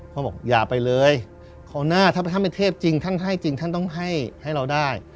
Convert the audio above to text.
เขาบอกอย่าไปเลยเขาหน้าถ้าไม่เทพจริงท่านให้จริงท่านต้องให้ให้เราได้